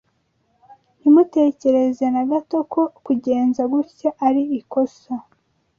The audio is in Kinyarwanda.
Ntimutekereze na gato ko kugenza gutya ari ikosa.